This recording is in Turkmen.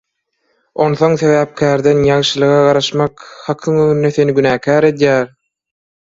Onsoň sebäpkärden ýagşylyga garaşmak Hakyň öňünde seni günäkär edýär.